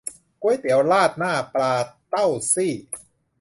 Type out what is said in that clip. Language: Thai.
ก๋วยเตี๋ยวราดหน้าปลาเต้าซี่